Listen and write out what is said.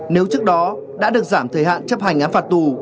nếu trước đó đã được giảm thời hạn chấp hành án phạt tù